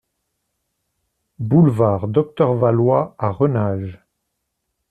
Boulevard Docteur Valois à Renage